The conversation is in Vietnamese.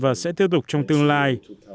và sẽ tiếp tục trong tương lai